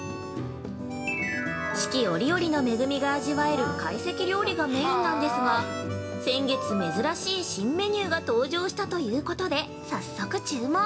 四季折々の恵みが味わえる懐石料理がメインなんですが先月珍しい新メニューが登場したということで、早速注文。